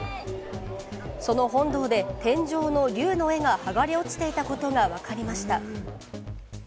その本堂で天井の龍の絵が剥がれ落ちていたことがわかりました。